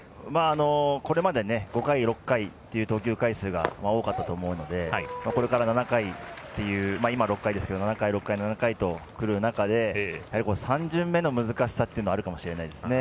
これまで５回、６回という投球回数が多かったと思うんでこれから７回という今、６回ですけど７回とくる中で３巡目の難しさというのがあるかもしれないですね。